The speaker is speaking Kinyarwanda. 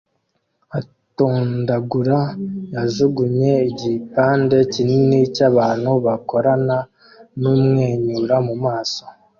atondagura yajugunye igipande kinini cyabantu bakorana numwenyura mumaso